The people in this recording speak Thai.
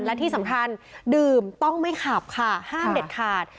และที่สำคัญดื่มต้องไม่ขับค่ะห้ามเด็ดขาด